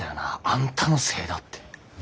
「あんたのせいだ」って。